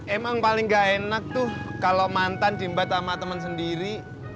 emang paling gak enak tuh kalau mantan dimbat sama temen sendiri